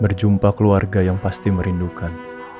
berjumpa keluarga yang pasti merindukan